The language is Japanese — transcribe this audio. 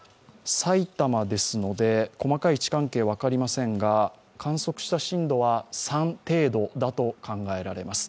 さいたまですので、細かい位置関係が分かりませんが、観測した震度は３程度だと考えられます。